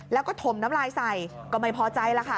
แล้วก็ถมน้ำลายใส่ก็ไม่พอใจแล้วค่ะ